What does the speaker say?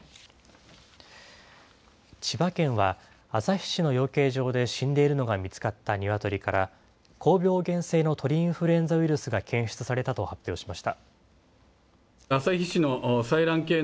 千葉県は、旭市の養鶏場で死んでいるのが見つかったニワトリから、高病原性の鳥インフルエンザウイルスが検出されたと発表しました。